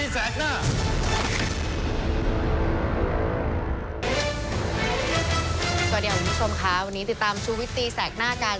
ก่อนเดียวคุณผู้ชมค่ะวันนี้ติดตามชูวิตตีแสกหน้าการ